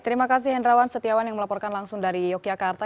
terima kasih hendrawan setiawan yang melaporkan langsung dari yogyakarta